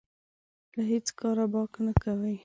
له هېڅ کاره باک نه کوي.